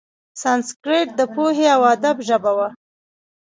سانسکریت د پوهې او ادب ژبه وه.